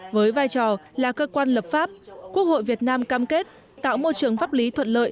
với vai trò là cơ quan lập pháp quốc hội việt nam cam kết tạo môi trường pháp lý thuận lợi